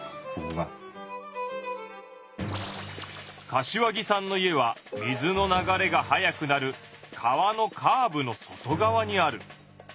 柏木さんの家は水の流れが速くなる川のカーブの外側にある。